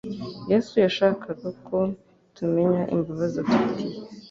YESU yashakaga ko tumenya imbazi adufitiye